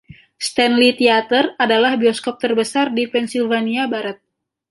Stanley Theatre adalah bioskop terbesar di Pennsylvania Barat.